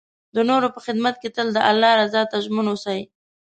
د نور په خدمت کې تل د الله رضا ته ژمن اوسئ.